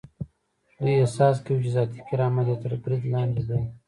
دوی احساس کوي چې ذاتي کرامت یې تر برید لاندې دی.